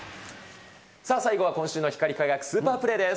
さあ、最後は今週の光輝くスーパープレーです。